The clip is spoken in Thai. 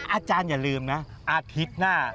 อาจารย์อย่าลืมนะอาทิตย์หน้า